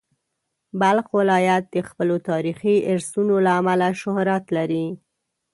بلخ ولایت د خپلو تاریخي ارثونو له امله شهرت لري.